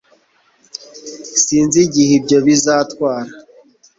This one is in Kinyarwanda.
sinzi igihe ibyo bizatwara